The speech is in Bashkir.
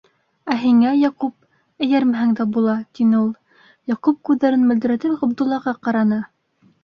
- Ә һиңә, Яҡуп, эйәрмәһәң дә була, - тине ул. Яҡуп күҙҙәрен мөлдөрәтеп Ғабдуллаға ҡараны.